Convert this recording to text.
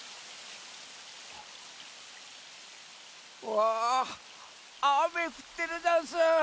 わあめふってるざんす！